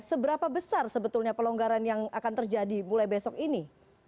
seberapa besar sebetulnya pelonggaran yang akan terjadi mulai besok ini